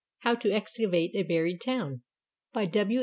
HOW TO EXCAVATE A BURIED TOWN BY W.